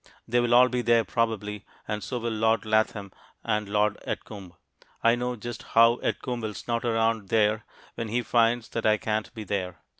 They will all be there probably, and so will Lord Latham and Lord Edgcumbe. I know just how Edgcumbe will snort around there when he finds that I can't be there.